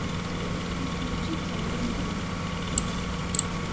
Nekk mačči d tayri-nwen.